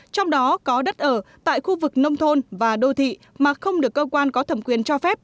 trong đó có đất ở tại khu vực nông thôn và đô thị mà không được cơ quan có thẩm quyền cho phép